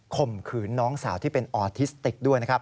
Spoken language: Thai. คมขืนน้องสาวที่เป็นออทิสติกด้วย